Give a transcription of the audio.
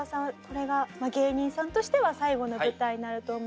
これが芸人さんとしては最後の舞台になると思いますが。